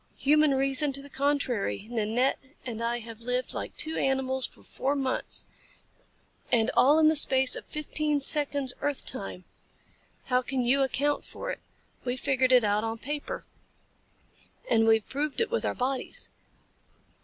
Human reason to the contrary, Nanette and I have lived like two animals for four months, and all in the space of fifteen seconds earth time. How can you account for it? We figured it out on paper. And we've proved it with our bodies.